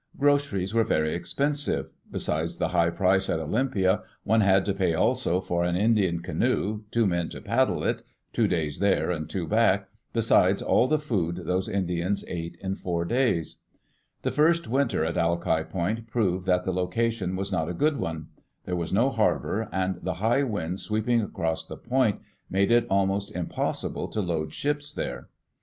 Groceries were very expensive. Besides the high price at Olympia, one had to pay also for an Indian canoe, two men to paddle it — two days there and two back — besides all the food those Indians ate in four days. The first winter at Alki Point proved that the location was not a good one. There was no harbor, and the high winds sweeping across the point made it almost impossible Digitized by CjOOQ IC EARLY. DAYS IN OLD OREGON to load ships there.